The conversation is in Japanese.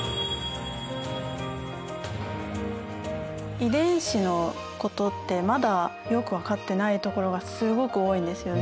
遺伝子のことってまだよく分かってないところがすごく多いんですよね。